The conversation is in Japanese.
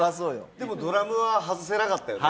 でもドラムは外せなかったよね。